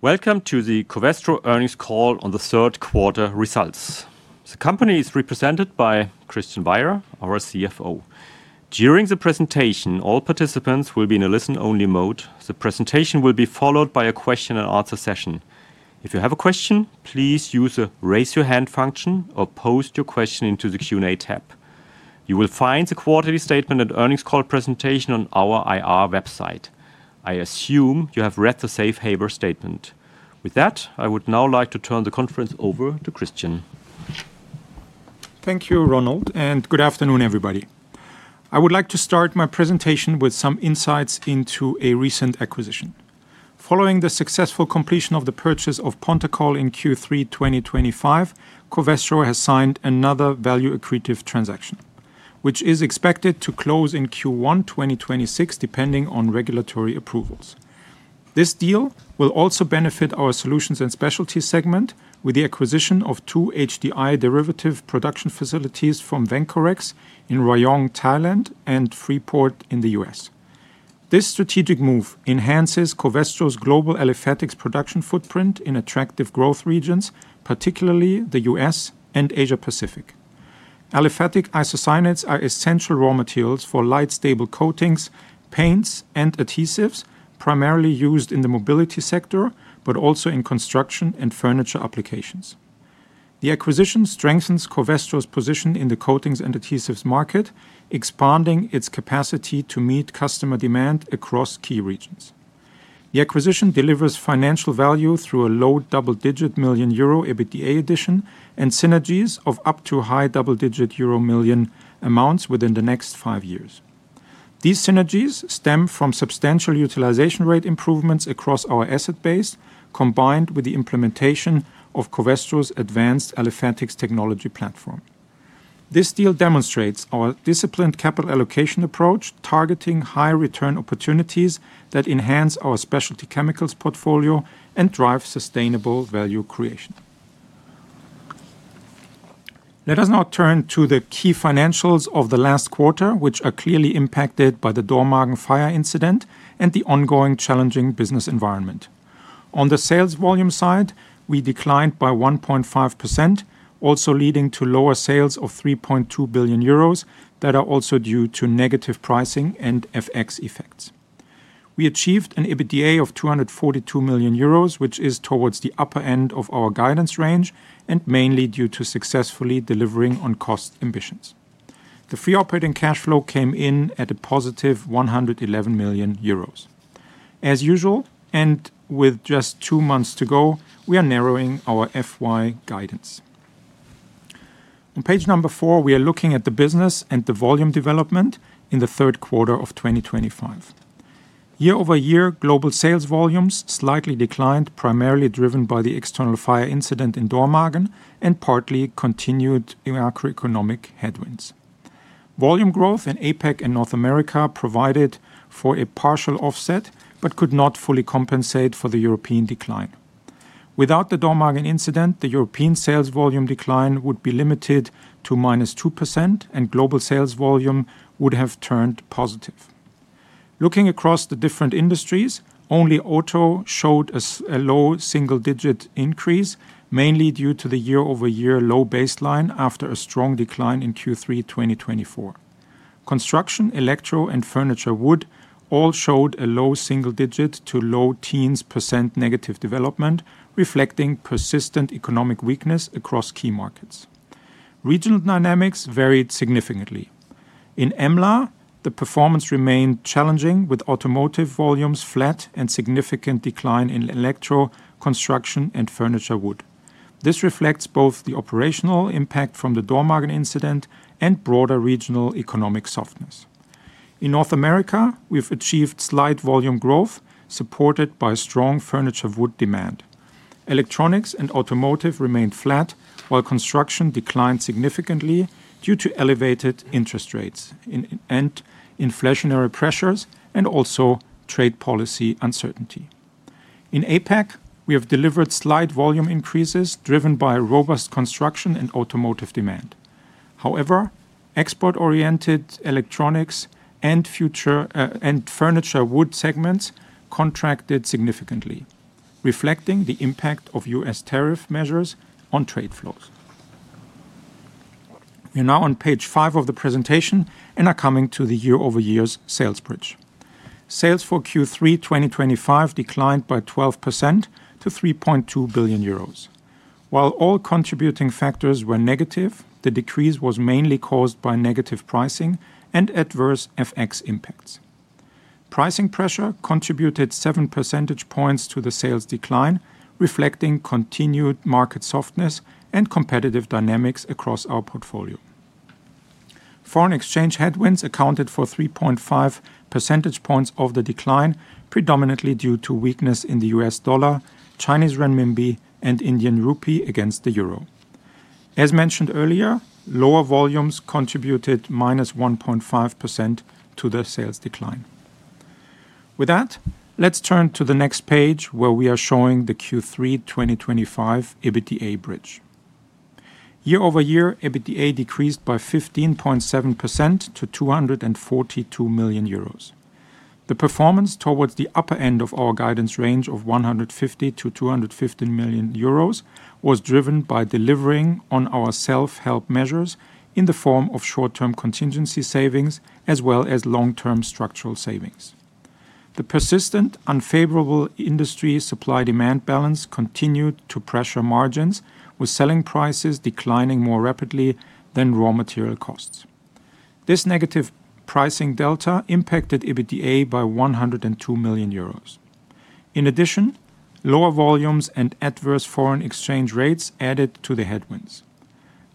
Welcome to the Covestro earnings call on the third quarter results. The company is represented by Christian Weyer, our CFO. During the presentation, all participants will be in a listen-only mode. The presentation will be followed by a question and answer session. If you have a question, please use the raise your hand function or post your question into the Q&A tab. You will find the quarterly statement and earnings call presentation on our IR website. I assume you have read the Safe Harbor statement. With that, I would now like to turn the conference over to Christian. Thank you Ronald and good afternoon everybody. I would like to start my presentation with some insights into a recent acquisition. Following the successful completion of the purchase of Pontacol in Q3 2025, Covestro has signed another value accretive transaction which is expected to close in Q1 2026 depending on regulatory approvals. This deal will also benefit our Solutions and Specialty segment with the acquisition of two HDI derivative production facilities from Vencorex in Rayong, Thailand and Freeport, U.S. This strategic move enhances Covestro's global aliphatics production footprint in attractive growth regions, particularly the U.S. and Asia Pacific. Aliphatic isocyanates are essential raw materials for light, stable coatings, paints, and adhesives, primarily used in the mobility sector but also in construction and furniture applications. The acquisition strengthens Covestro's position in the coatings and adhesives market, expanding its capacity to meet customer demand across key regions. The acquisition delivers financial value through a low double-digit million euro EBITDA addition and synergies of up to high double-digit euro million amounts within the next five years. These synergies stem from substantial utilization rate improvements across our asset base combined with the implementation of Covestro's advanced Elephantics technology platform. This deal demonstrates our disciplined capital allocation approach, targeting high return opportunities that enhance our specialty chemicals portfolio and drive sustainable value creation. Let us now turn to the key financials of the last quarter, which are clearly impacted by the Dormagen fire incident and the ongoing challenging business environment. On the sales volume side, we declined by 1.5%, also leading to lower sales of 3.2 billion euros that are also due to negative pricing and FX effects. We achieved an EBITDA of 242 million euros, which is towards the upper end of our guidance range and mainly due to successfully delivering on cost ambitions. The free operating cash flow came in at a positive 111 million euros as usual, and with just two months to go we are narrowing our FY guidance. On page number four, we are looking at the business and the volume development in the third quarter of 2025. Year over year, global sales volumes slightly declined, primarily driven by the external fire incident in Dormagen and partly continued macroeconomic headwinds. Volume growth in APEC and North America provided for a partial offset but could not fully compensate for the European decline. Without the Dormagen incident, the European sales volume decline would be limited to -2% and global sales volume would have turned positive. Looking across the different industries, only auto showed a low single digit increase mainly due to the year over year low baseline. After a strong decline in Q3 2024, construction, electro and furniture wood all showed a low single digit to low teens % negative development, reflecting persistent economic weakness across key markets. Regional dynamics varied significantly. In EMLA, the performance remained challenging with automotive volumes flat and significant decline in electronic construction and furniture wood. This reflects both the operational impact from the Dormagen incident and broader regional economic softness. In North America we've achieved slight volume growth supported by strong furniture wood demand. Electronics and automotive remained flat while construction declined significantly due to elevated interest rates and inflationary pressures and also trade policy uncertainty. In APEC, we have delivered slight volume increases driven by robust construction and automotive demand. However, export oriented electronics and furniture wood segments contracted significantly, reflecting the impact of U.S. Tariff measures on trade flows. We are now on page five of the presentation and are coming to the year over year sales bridge. Sales for Q3 2025 declined by 12% to 3.2 billion euros. While all contributing factors were negative, the decrease was mainly caused by negative pricing and adverse FX impacts. Pricing pressure contributed 7% to the sales decline, reflecting continued market softness and competitive dynamics across our portfolio. Foreign exchange headwinds accounted for 3.5% of the decline, predominantly due to weakness in the U.S. Dollar, Chinese renminbi and Indian Rupee against the euro. As mentioned earlier, lower volumes contributed -1.5% to the sales decline. With that, let's turn to the next page where we are showing the Q3 2025 EBITDA bridge. Year over year, EBITDA decreased by 15.7% to 242 million euros. The performance towards the upper end of our guidance range of 150 million-215 million euros was driven by delivering on our self help measures in the form of short term contingency savings as well as long term structural savings. The persistent unfavorable industry supply demand balance continued to pressure margins, with selling prices declining more rapidly than raw material costs. This negative pricing delta impacted EBITDA by 102 million euros. In addition, lower volumes and adverse foreign exchange rates added to the headwinds.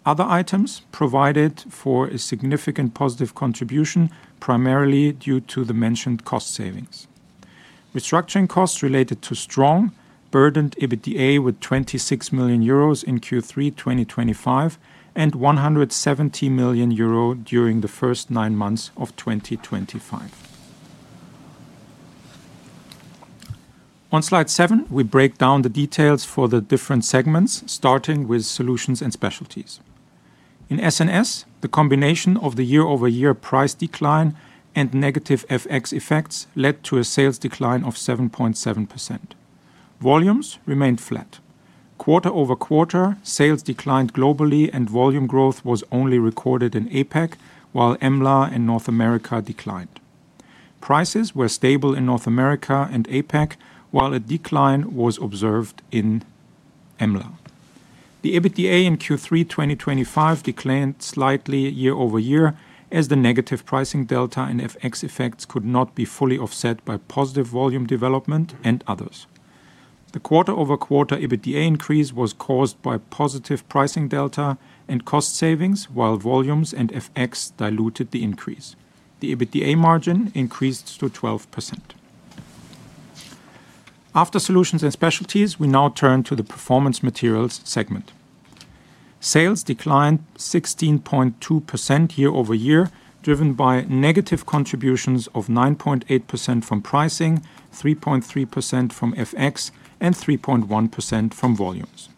Other items provided for a significant positive contribution, primarily due to the mentioned cost savings. Restructuring costs related to strong burdened EBITDA with 26 million euros in Q3 2025 and 170 million euro during the first nine months of 2025. On slide 7, we break down the details for the different segments, starting with Solutions and Specialties in SNS. The combination of the year over year price decline and negative FX effects led to a sales decline of 7.7%. Volumes remained flat quarter over quarter. Sales declined globally, and volume growth was only recorded in APEC, while EMLA and North America declined. Prices were stable in North America and APEC, while a decline was observed in EMLA. The EBITDA in Q3 2025 declined slightly year over year, as the negative pricing delta and FX effects could not be fully offset by positive volume development and others. The quarter over quarter EBITDA increase was caused by positive pricing delta and cost savings, while volumes and FX diluted the increase. The EBITDA margin increased to 12%. After Solutions and Specialties, we now turn to the Performance Materials segment. Sales declined 16.2% year over year, driven by negative contributions of 9.8% from pricing, 3.3% from FX, and 3.1% from volumes.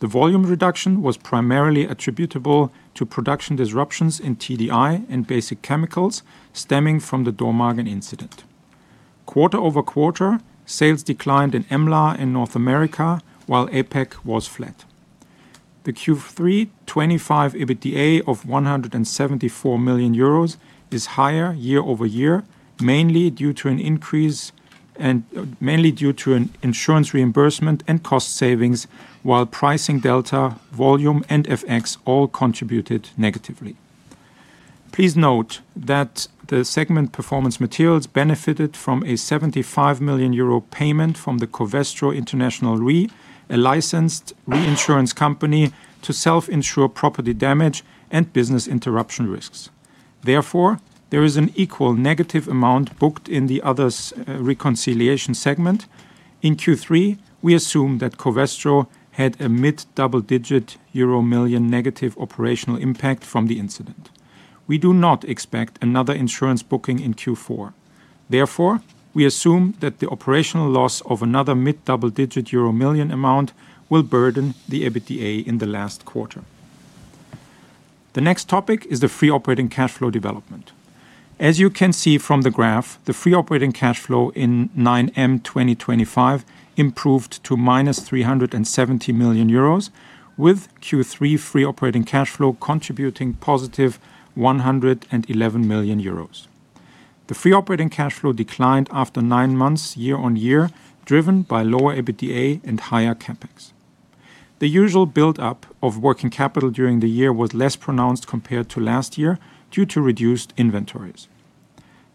The volume reduction was primarily attributable to production disruptions in TDI and Basic Chemicals stemming from the Dormagen incident. Quarter over quarter, sales declined in EMLA and North America, while APEC was flat. The Q3 2025 EBITDA of 174 million euros is higher year over year mainly due to an insurance reimbursement and cost savings, while pricing delta, volume, and FX all contributed negatively. Please note that the segment Performance Materials benefited from a 75 million euro payment from Covestro International Re, a licensed reinsurance company to self insure property damage and business interruption risks. Therefore, there is an equal negative amount booked in the other reconciliation segment in Q3. We assume that Covestro had a mid double-digit euro million negative operational impact from the incident. We do not expect another insurance booking in Q4. Therefore, we assume that the operational loss of another mid double-digit euro million amount will burden the EBITDA in the last quarter. The next topic is the free operating cash flow development. As you can see from the graph, the free operating cash flow in 9M 2025 improved to -370 million euros, with Q3 free operating cash flow contributing positive 111 million euros. The free operating cash flow declined after nine months year on year, driven by lower EBITDA and higher CapEx. The usual build-up of working capital during the year was less pronounced compared to last year due to reduced inventories.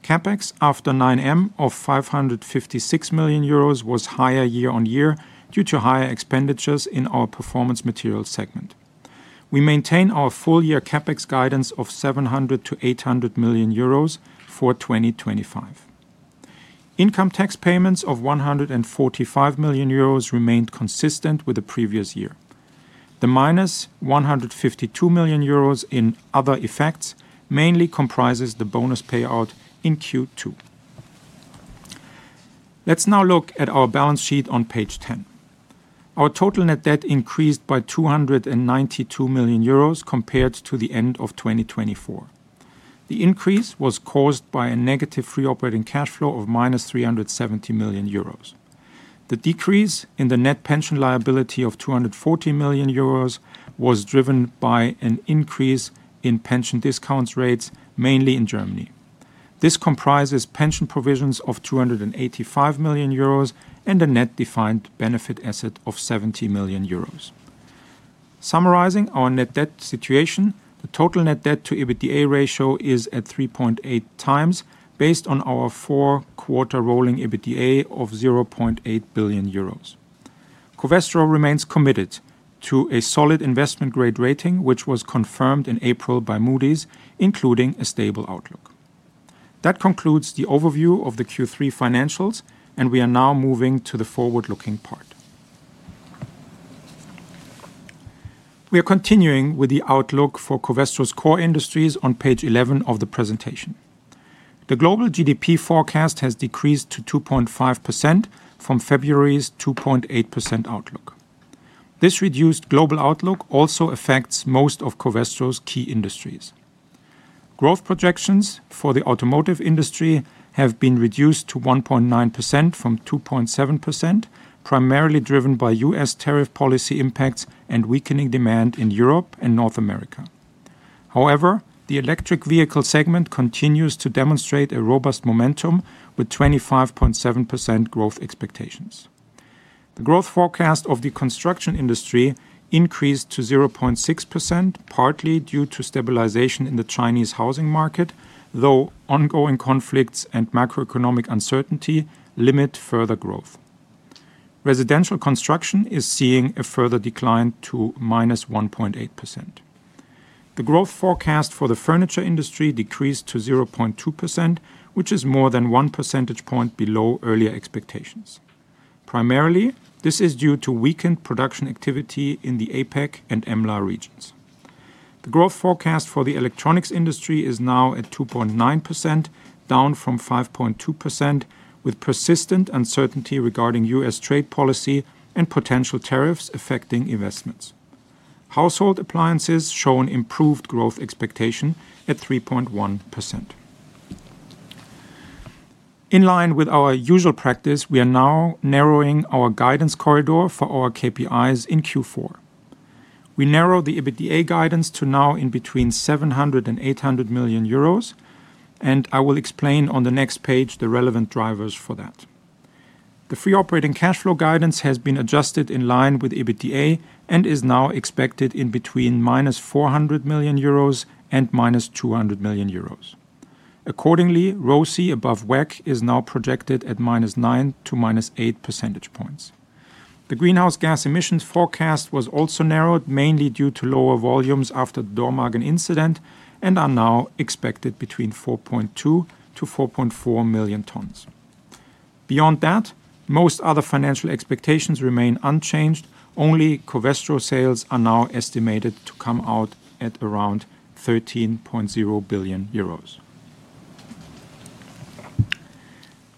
CapEx after 9M of 556 million euros was higher year on year due to higher expenditures in our performance materials segment. We maintain our full-year CapEx guidance of 700 million-800 million euros for 2025. Income tax payments of 145 million euros remained consistent with the previous year. The -152 million euros in other effects mainly comprises the bonus payout in Q2. Let's now look at our balance sheet on page 10. Our total net debt increased by 292 million euros compared to the end of 2024. The increase was caused by a negative free operating cash flow of -370 million euros. The decrease in the net pension liability of 240 million euros was driven by an increase in pension discount rates, mainly in Germany. This comprises pension provisions of 285 million euros and a net defined benefit asset of 70 million euros. Summarizing our net debt situation, the total. Net debt to EBITDA ratio is at. 3.8x based on our four-quarter rolling EBITDA of 0.8 billion euros. Covestro remains committed to a solid investment-grade rating, which was confirmed in April by Moody’s, including a stable outlook. That concludes the overview of the Q3 financials, and we are now moving to the forward-looking part. We are continuing with the outlook for Covestro’s core industries on page 11 of the presentation. The global GDP forecast has decreased to 2.5% from February’s 2.8% outlook. This reduced global outlook also affects most of Covestro’s key industries. Growth projections for the automotive industry have been reduced to 1.9% from 2.7%, primarily driven by U.S. tariff policy impacts and weakening demand in Europe and North America. However, the electric vehicle segment continues to demonstrate robust momentum with 25.7% growth expectations. The growth forecast of the construction industry increased to 0.6%, partly due to stabilization in the Chinese housing market, though ongoing conflicts and macroeconomic uncertainty limit further growth. Residential construction is seeing a further decline to -1.8%. The growth forecast for the furniture industry decreased to 0.2%, which is more than 1 percentage point below earlier expectations. Primarily, this is due to weakened production activity in the APEC and EMLA regions. The growth forecast for the electronics industry is now at 2.9%, down from 5.2%, with persistent uncertainty regarding U.S. trade policy and potential tariffs affecting investments. Household appliances show an improved growth expectation at 3.1%. In line with our usual practice, we are now narrowing our guidance corridor for our KPIs in Q4. We narrow the EBITDA guidance to now in between 700 million euros and 800 million euros, and I will explain on the next page the relevant drivers for that. The free operating cash flow guidance has been adjusted in line with EBITDA and is now expected in between -400 million euros and -200 million euros. Accordingly, ROCE above WECC is now projected at -9 to -8 percentage points. The greenhouse gas emissions forecast was also narrowed, mainly due to lower volumes after the Dormagen incident, and are now expected between 4.2 million tons-4.4 million tons. Beyond that, most other financial expectations remain unchanged. Only Covestro sales are now estimated to come out at around 13.0 billion euros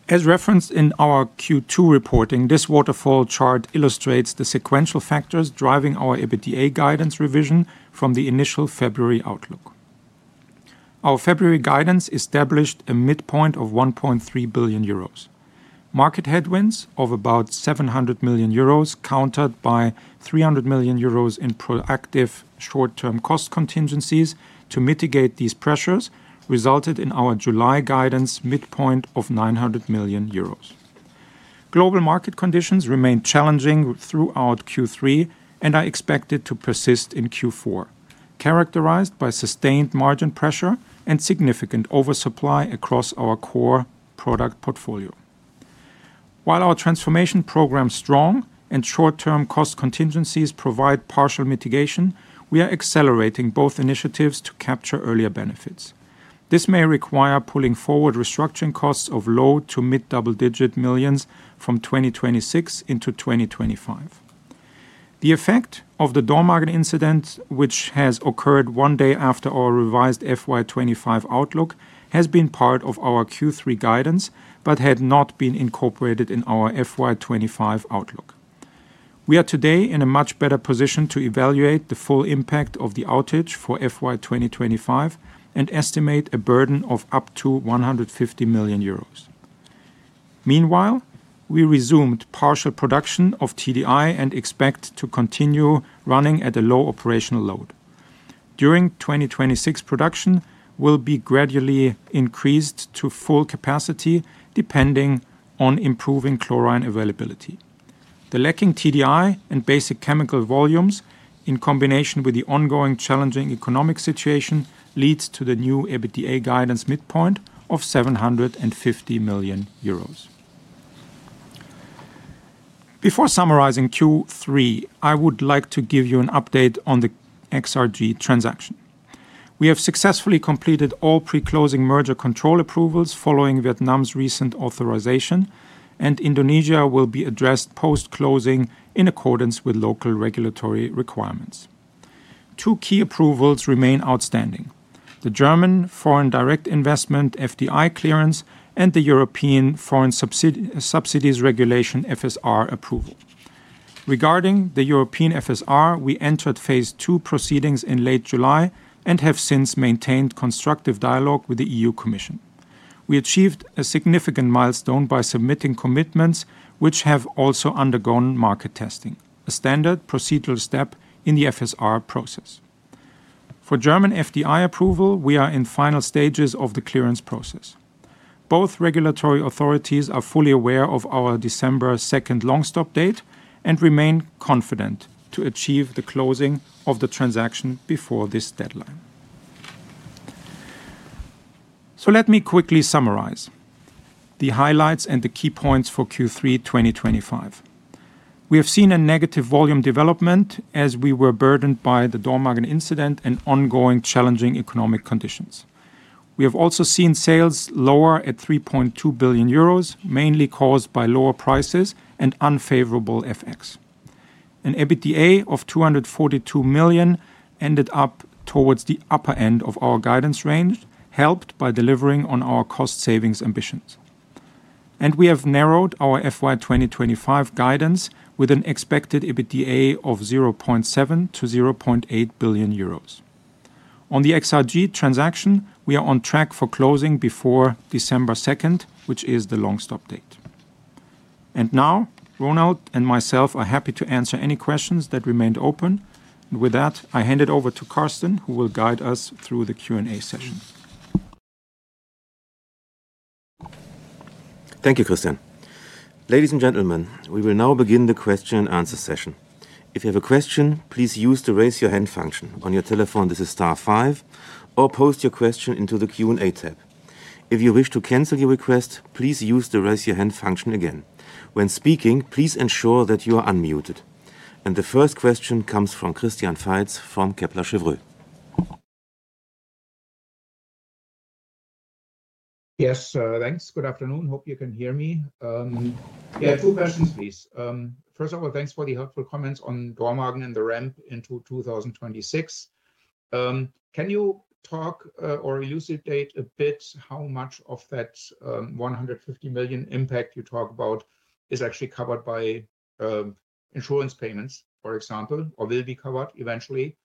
as referenced in our Q2 reporting. This waterfall chart illustrates the sequential factors driving our EBITDA guidance revision from the initial February outlook. Our February guidance established a midpoint of 1.3 billion euros. Market headwinds of about 700 million euros, countered by 300 million euros in proactive short term cost contingencies to mitigate these pressures, resulted in our July guidance midpoint of 900 million euros. Global market conditions remained challenging throughout Q3 and I expect it to persist in Q4, characterized by sustained margin pressure and significant oversupply across our core product portfolio. While our transformation program, strong and short term cost contingencies provide partial mitigation, we are accelerating both initiatives to capture earlier benefits. This may require pulling forward restructuring costs of low to mid double digit millions from 2026 into 2025. The effect of the Dormagen incident, which has occurred one day after our revised FY25 outlook, has been part of our Q3 guidance but had not been incorporated in our FY25 outlook. We are today in a much better position to evaluate the full impact of the outage for FY2025 and estimate a burden of up to 150 million euros. Meanwhile, we resumed partial production of TDI and expect to continue running at a low operational load during 2026. Production will be gradually increased to full capacity depending on improving chlorine availability. The lacking TDI and basic chemical volumes in combination with the ongoing challenging economic situation leads to the new EBITDA guidance midpoint of 750 million euros. Before summarizing Q3, I would like to give you an update on the XRG transaction. We have successfully completed all pre-closing merger control approvals following Vietnam's recent authorization and Indonesia will be addressed post-closing in accordance with local regulatory requirements. Two key approvals remain: the German Foreign Direct Investment Clearance and the European Foreign Subsidies Regulation approval. Regarding the European FSR, we entered Phase two proceedings in late July and have since maintained constructive dialogue with the EU Commission. We achieved a significant milestone by submitting commitments which have also undergone market testing, a standard procedural step in the FSR process. For German FDI approval, we are in final stages of the clearance process. Both regulatory authorities are fully aware of our December 2 long stop date and remain confident to achieve the closing of the transaction before this deadline. Let me quickly summarize the highlights and the key points for Q3. 2025. We have seen a negative volume development as we were burdened by the Dormagen incident and ongoing challenging economic conditions. We have also seen sales lower at 3.2 billion euros, mainly caused by lower prices and unfavorable FX. An EBITDA of 242 million ended up towards the upper end of our guidance range, helped by delivering on our cost savings ambitions, and we have narrowed our FY2025 guidance with an expected EBITDA of 0.7 billion-0.8 billion euros. On the XRG transaction, we are on track for closing before December 2nd, which is the long stop date. Ronald and myself are happy to answer any questions that remained open. With that, I hand it over to Carsten who will guide us through the Q and A session. Thank you, Christian. Ladies and gentlemen, we will now begin the question and answer session. If you have a question, please use the raise your hand function on your telephone. This is *5. You may also post your question into the Q and A tab. If you wish to cancel your request, please use the raise your hand function again. When speaking, please ensure that you are unmuted. The first question comes from Christian Faitz from Kepler Cheuvreux. Yes, thanks. Good afternoon. Hope you can hear me. Yeah, two questions please. First of all, thanks for the helpful comments on Dormagen and the ramp into 2026. Can you talk or elucidate a bit? How much of that $150 million impact you talk about is actually covered by insurance payments, for example, or will be covered eventually?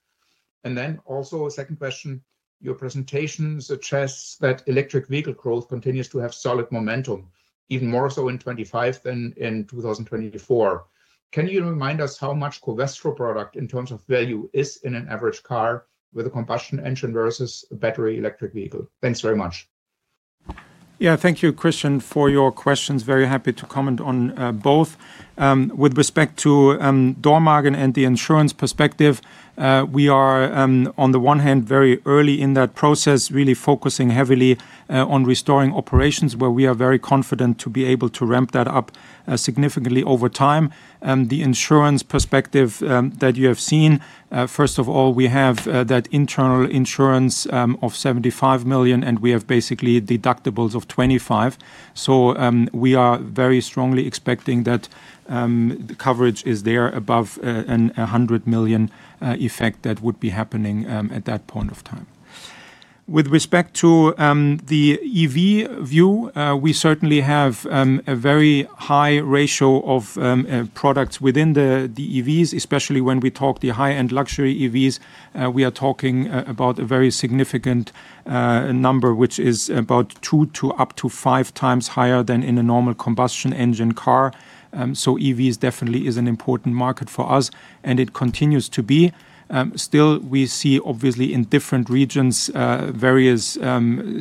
Also, second question. Your presentation suggests that electric vehicle growth continues to have solid momentum, even more so in 2025 than in 2024. Can you remind us how much Covestro product in terms of value is in an average car with a combustion engine versus a battery electric vehicle? Thanks very much. Yeah, thank you Christian for your questions. Very happy to comment on both. With respect to Dormagen and the insurance perspective, we are on the one hand very early in that process, really focusing heavily on restoring operations where we are very confident to be able to ramp that up significantly over time. The insurance perspective that you have seen, first of all we have that internal insurance of $75 million and we have basically deductibles of $25 million. We are very strongly expecting that the coverage is there above $100 million effect that would be happening at that point of time. With respect to the EV view, we certainly have a very high ratio of. Products within the EVs. Especially when we talk the high end luxury EVs, we are talking about a very significant number, which is about two to up to five times higher than. In a normal combustion engine, carbon. EV is definitely an important market for us and it continues to be still. We see obviously in different regions various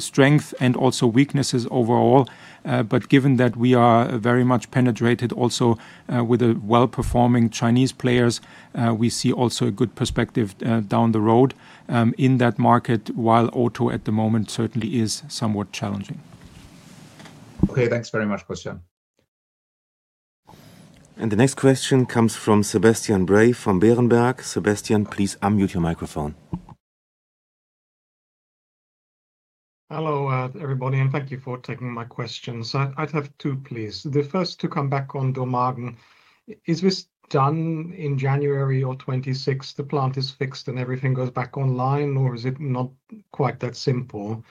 strengths and also weaknesses overall. Given that we are very much penetrated also with well performing Chinese players, we see also a good perspective down the road in that market. While auto at the moment certainly is somewhat challenging. Okay, thanks very much, Christian. The next question comes from Sebastian Bray from Berenberg. Sebastian, please unmute your microphone. Hello everybody and thank you for taking my questions. I'd have two please. The first to come back on Dormagen. Is this done in January or 26th? The plant is fixed and everything goes back online or is it not done quite that simple.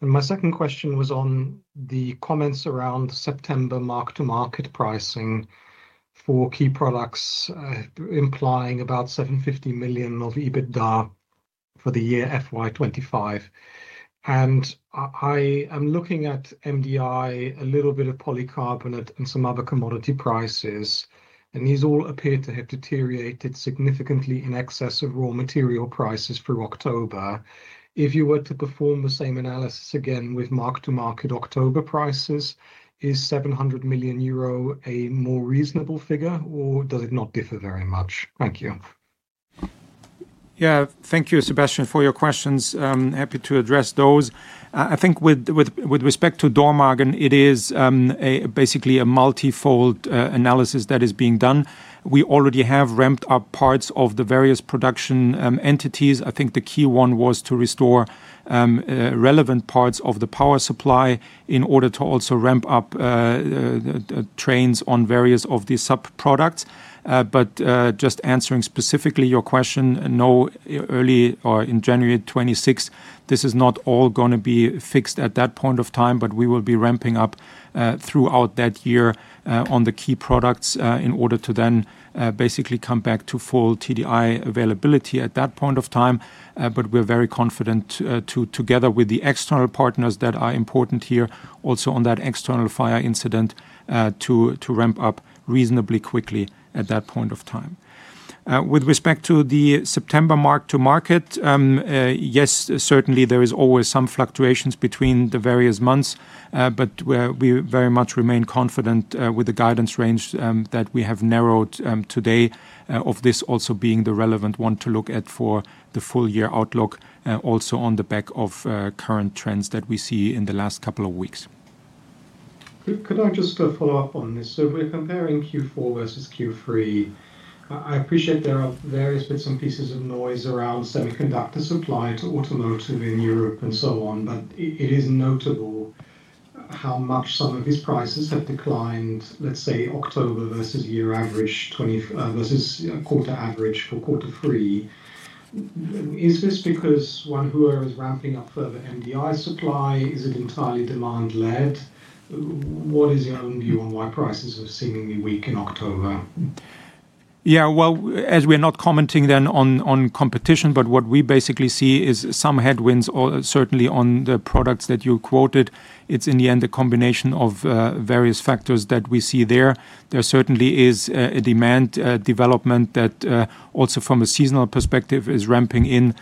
My second question was on the comments around September mark-to-market pricing for key products implying about 750 million of EBITDA for the year FY2025. I am looking at MDI, a little bit of polycarbonate and some other commodity prices. These all appear to have deteriorated significantly in excess of raw material prices through October. If you were to perform the same analysis again with mark-to-market October prices, is 700 million euro a more reasonable figure or does it not differ very much? Thank you. Yeah, thank you, Sebastian, for your questions. Happy to address those. I think with respect to Dormagen, it is basically a multifold analysis that is being done. We already have ramped up parts. Of the various production entities, I think the key one was to restore relevant parts of the power supply in order to also ramp up trains on various of these sub products. Just answering specifically your question, no, early or in January 26th, this is not all going to be fixed at that point of time. We will be ramping up throughout that year on the key products in order to then basically come back to full TDI availability at that point of time. We're very confident, together with the external partners that are important here also on that external fire incident, to ramp up reasonably quickly at that point. Of time with respect to the September mark-to-market. Yes, certainly there is always some fluctuations between the various months, but we very much remain confident with the guidance range that we have narrowed today, this also being the relevant one to look at for the full year outlook, also on the back of current trends that we see in the last couple of weeks. Could I just follow up on this? We're comparing Q4 versus Q3. I appreciate there are various bits and pieces of noise around semiconductor supply to the automotive in Europe and so on, but it is notable how much some of these prices have declined. Let's say October versus year average versus quarter average for Q3. Is this because Wanhua is ramping up further MDI supply? Is it entirely demand led? What is your own view on why prices are seemingly weak in October? As we are not commenting. On competition, what we basically see is some headwinds also certainly on the products that you quoted. It's in the end a combination of various factors that we see there. There certainly is a demand development that also from a seasonal perspective is ramping in,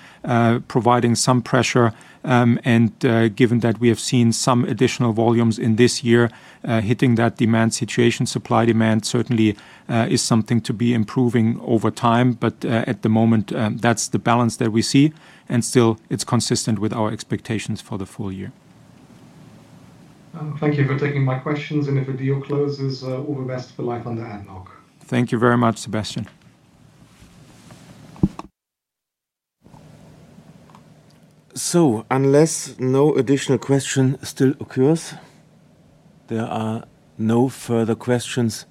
providing some pressure. Given that we have seen some additional volumes in this year hitting that demand situation, supply and demand certainly is something to be improving over time, but at the moment that's the balance that we see. See, and still it's consistent with our expectations for the full year. Thank you for taking my questions. If the deal closes, all the best for life under ADNOC. Thank you very much, Sebastian. Unless no additional question still occurs, there are no further questions.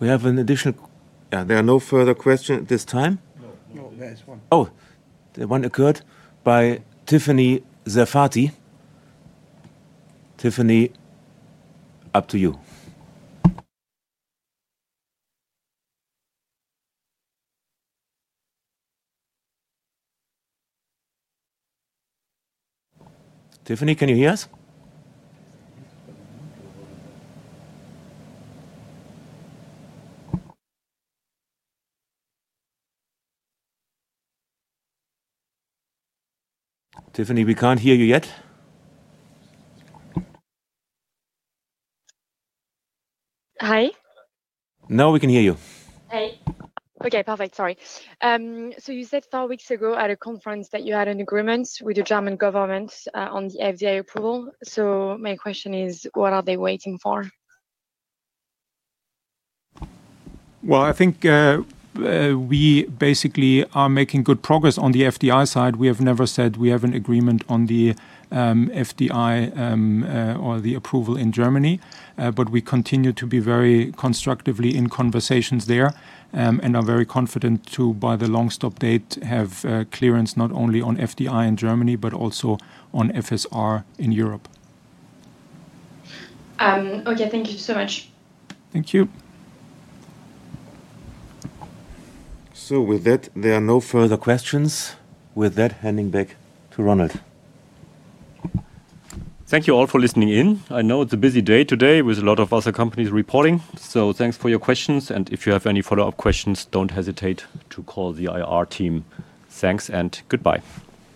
We have an additional. There are no further questions at this time. Oh, one occurred by Tiffany Zafati. Tiffany, up to you. Tiffany, can you hear us? Tiffany, we can't hear you yet. Hi. No, we can hear you. Hey. Okay, perfect. Sorry. You said four weeks ago at a conference that you had an agreement with the German government on the edge FDI approval. My question is what are they waiting for? I think we basically are making good progress on the FDI side. We have never said we have an agreement on the FDI or the approval in Germany, but we continue to be very constructive in conversations there and are very confident by the longstop date, have clearance not only on FDI in. Germany, but also on European Foreign Subsidies Regulation in Europe. Okay, thank you so much. Thank you. There are no further questions. With that, handing back to Ronald. Thank you all for listening in. I know it's a busy day today with a lot of other companies reporting, so thanks for your questions. If you have any follow up questions, don't hesitate to call the IR team. Thanks and goodbye.